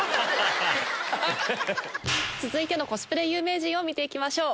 続いてのコスプレ有名人を見て行きましょう。